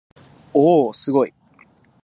おおおすごい